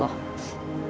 pokoknya sampai mel sembuh